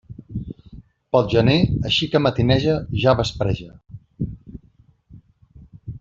Pel gener així que matineja ja vespreja.